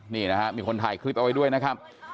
นี่นะครับมีคนถ่ายคลิปเอาไว้ด้วยนะครับ